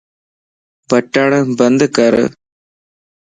بٽڻ بند کر